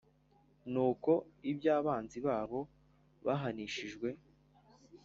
nuko ibyo abanzi babo bahanishijwe,